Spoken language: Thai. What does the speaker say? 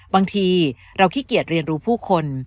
บางทีเราขี้เกียจเรียนรู้ผู้คน